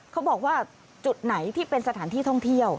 เขาบอกว่าจุดไหนที่เป็นสถานที่ท่องเที่ยว